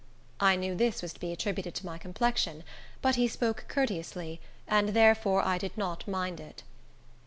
I knew this was to be attributed to my complexion; but he spoke courteously, and therefore I did not mind it.